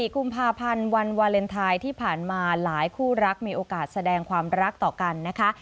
๔กุมภาพันธ์วันวาเลนไทยที่ผ่านมาหลายคู่รักมีโอกาสแสดงความรักต่อกันนะคะ